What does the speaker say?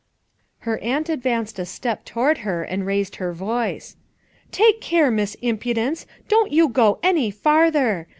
Her aunt advanced a step toward her and raised her voice. "Take care, Miss Impu dence, don't you go any farther!